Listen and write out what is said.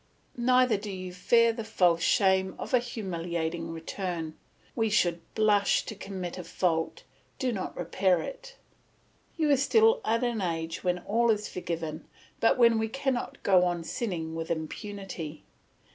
Neither do you fear the false shame of a humiliating return; we should blush to commit a fault, not to repair it. You are still at an age when all is forgiven, but when we cannot go on sinning with impunity.